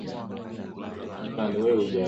Ziwa lina hewa safi sana